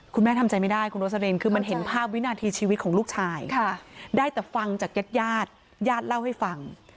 ทำใจไม่ได้คุณโรสลินคือมันเห็นภาพวินาทีชีวิตของลูกชายได้แต่ฟังจากญาติญาติเล่าให้ฟัง